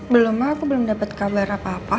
belum ma aku belum dapet kabar apa apa